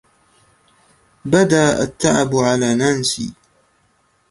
بدا التعب على نانسي.